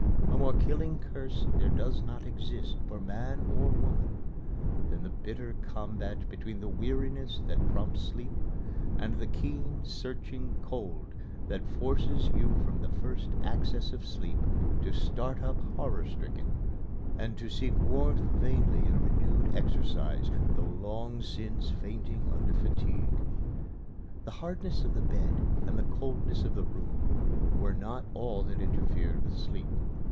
A more killing curse there does not exist for man or woman than the bitter combat between the weariness that prompts sleep and the keen, searching cold that forces you from that first access of sleep to start up horror stricken, and to seek warmth vainly in renewed exercise, though long since fainting under fatigue." The hardness of the bed and the coldness of the room were not all that interfered with sleep.